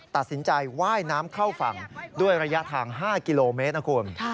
ตัดสินใจว่ายน้ำเข้าฝั่งด้วยระยะทาง๕กิโลเมตรนะคุณ